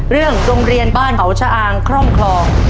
โรงเรียนบ้านเขาชะอางคล่อมคลอง